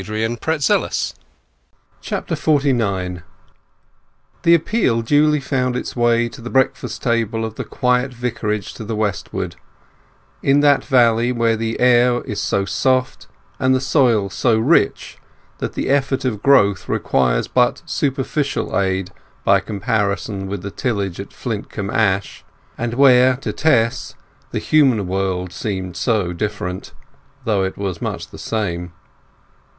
— Your faithful heartbroken Tess XLIX The appeal duly found its way to the breakfast table of the quiet Vicarage to the westward, in that valley where the air is so soft and the soil so rich that the effort of growth requires but superficial aid by comparison with the tillage at Flintcomb Ash, and where to Tess the human world seemed so different (though it was much the same).